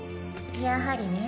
やはりね。